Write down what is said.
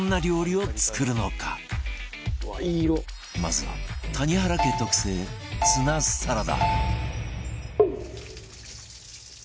まずは谷原家特製ツナサラダ